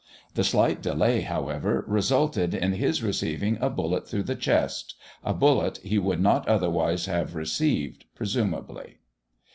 The slight delay, however, resulted in his receiving a bullet through the chest a bullet he would not otherwise have received, presumably.